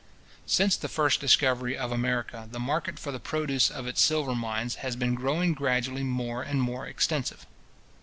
Since the first discovery of America, the market for the produce of its silver mines has been growing gradually more and more extensive.